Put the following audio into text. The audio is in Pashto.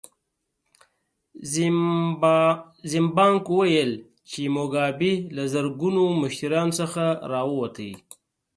زیمبانک وویل چې موګابي له زرګونو مشتریانو څخه راووت.